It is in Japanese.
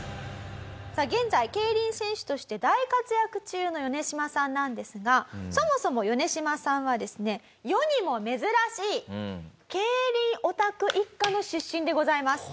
さあ現在競輪選手として大活躍中のヨネシマさんなんですがそもそもヨネシマさんはですね世にも珍しい競輪オタク一家の出身でございます。